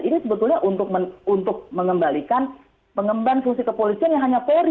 ini sebetulnya untuk mengembalikan pengemban fungsi kepolisian yang hanya polri